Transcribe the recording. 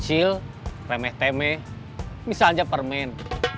kecil remeh temeh misalnya permen